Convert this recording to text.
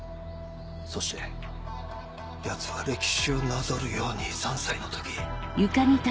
そしてヤツは歴史をなぞるように３歳の時。